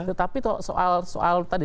tetapi soal tadi